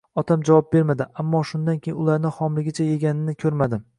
Otam javob bermadi. Ammo shundan keyin ularni xomligicha yeganini ko'rmadim.